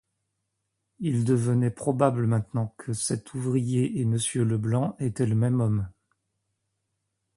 Il devenait probable maintenant que cet ouvrier et Monsieur Leblanc étaient le même homme.